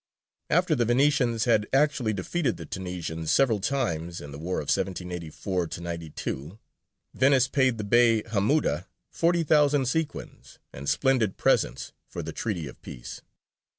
After the Venetians had actually defeated the Tunisians several times in the war of 1784 92, Venice paid the Bey Hamuda forty thousand sequins and splendid presents for the treaty of peace.